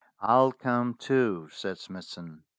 "I'll come too," said Smithson.